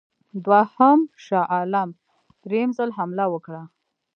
دوهم شاه عالم درېم ځل حمله وکړه.